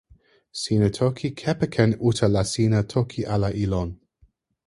sina toki kepeken uta la sina toki ala e lon.